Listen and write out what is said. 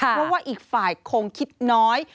เพราะว่าอีกฝ่ายคงคิดน้อย